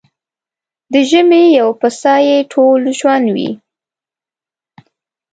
د ژمي يو پسه يې ټول ژوند وي.